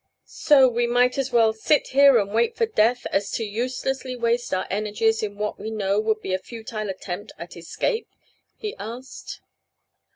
"So we might as well sit here and wait for death as to uselessly waste our energies in what we know would be a futile attempt at escape?" he asked.